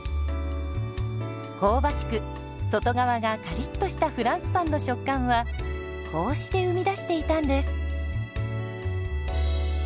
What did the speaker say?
香ばしく外側がカリッとしたフランスパンの食感はこうして生み出していたんです。